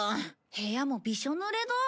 部屋もびしょぬれだ。